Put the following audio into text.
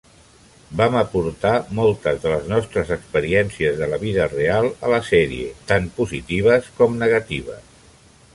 Vam aportar moltes de les nostres experiències de la vida real a la sèrie, tant positives com negatives.